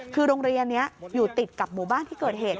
คือโรงเรียนนี้อยู่ติดกับหมู่บ้านที่เกิดเหตุ